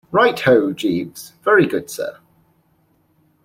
'Right ho, Jeeves.' 'Very good, sir.'